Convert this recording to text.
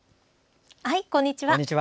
こんにちは。